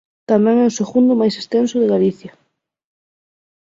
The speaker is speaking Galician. Tamén é o segundo máis extenso de Galicia.